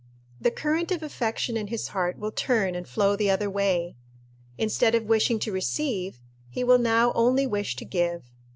The current of affection in his heart will turn and flow the other way. Instead of wishing to receive, he will now only wish to give.